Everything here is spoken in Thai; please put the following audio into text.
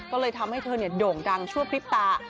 ก็เลยทำให้เธอโด่งดังชั่วพริบตา